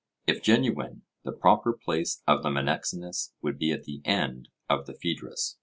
If genuine, the proper place of the Menexenus would be at the end of the Phaedrus.